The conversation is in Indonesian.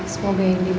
semoga yang dia